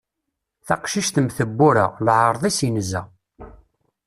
Taqcict mm tebbura, leɛṛeḍ-is inza.